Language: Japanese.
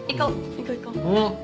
行こう行こう。